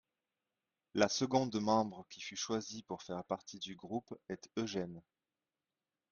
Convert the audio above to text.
La seconde membre qui fut choisie pour faire partie du groupe est Eugene.